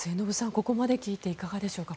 ここまで聞いていかがでしょうか。